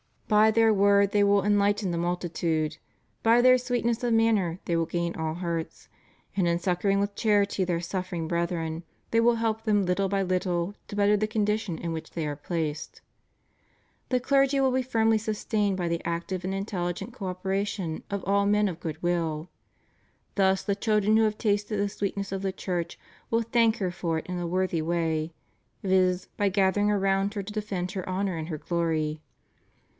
By their word they v\dll enhghten the multi tude; by their sweetness of manners they will gain all hearts, and in succoring with charity their suffering brethren, they will help them little by little to better the condition in which they are placed. The clergy will be firmly sustained by the active and intelHgent cooperation of all men of good will. Thus the children who have tasted the sweetness of the Church will thank her for it in a worthy way, viz., by gathering around her to defend her honor and her glory.